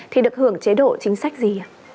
thì được hưởng chế độ chính sách gì